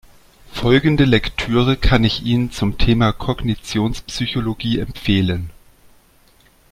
Folgende Lektüre kann ich Ihnen zum Thema Kognitionspsychologie empfehlen.